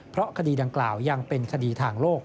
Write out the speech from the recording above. เพราะคดีดังกล่าวยังเป็นคดีทางโลก